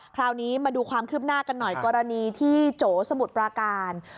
คราวนี้มาดูความคืบหน้ากันหน่อยกรณีที่โจสมุทรปราการ